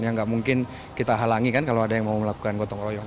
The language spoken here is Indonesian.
yang nggak mungkin kita halangi kan kalau ada yang mau melakukan gotong royong